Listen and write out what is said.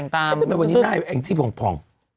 แต่วันนี้ได้แอ่งที่ผ่อง